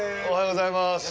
おはようございます。